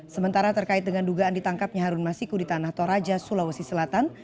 sementara terkait dengan dugaan ditangkapnya harun masiku di tanah toraja sulawesi selatan